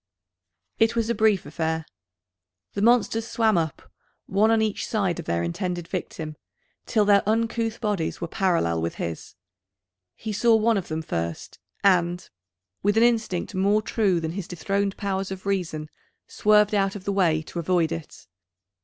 It was a brief affair. The monsters swam up, one on each side of their intended victim, till their uncouth bodies were parallel with his. He saw one of them first, and, with an instinct more true than his dethroned powers of reason, swerved out of the way to avoid it.